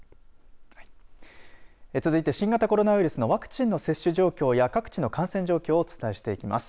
続いて、新型コロナウイルスのワクチンの接種状況や各地の感染状況をお伝えしていきます。